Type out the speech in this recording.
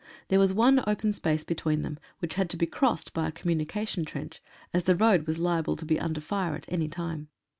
There was one open space between them, which had to be crossed by a communication trench, as the road was liable to be under fire at any time.